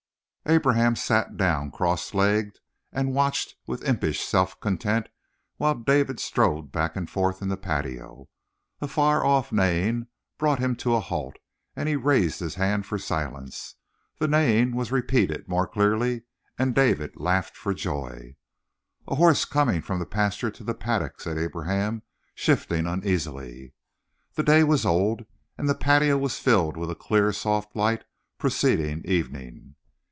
Abraham sat down, cross legged, and watched with impish self content while David strode back and forth in the patio. A far off neighing brought him to a halt, and he raised his hand for silence. The neighing was repeated, more clearly, and David laughed for joy. "A horse coming from the pasture to the paddock," said Abraham, shifting uneasily. The day was old and the patio was filled with a clear, soft light, preceding evening.